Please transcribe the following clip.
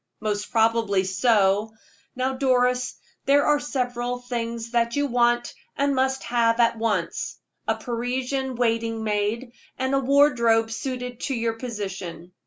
"Most probably so. Now, Doris, there are several things that you want, and must have at once a Parisian waiting maid, and a wardrobe suited to your position.